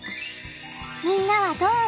みんなはどう思う？